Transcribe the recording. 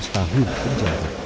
dua belas tahun penjara